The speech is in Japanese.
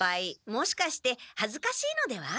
もしかしてはずかしいのでは？